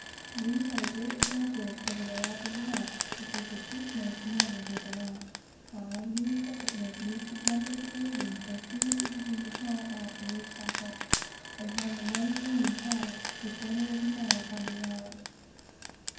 We had a great advantage over the larboard watch, because the chief mate never goes aloft, while our new second mate used to jump into the rigging as soon as we began to haul out the reef tackle, and have the weather earing passed before there was a man upon the yard.